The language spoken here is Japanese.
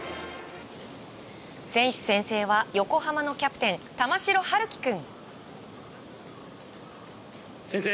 選手宣誓は横浜のキャプテン玉城陽希君。